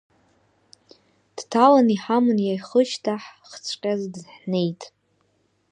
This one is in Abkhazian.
Дҭалан, иҳаман иахышьҭаҳхҵәҟьаз ҳнет.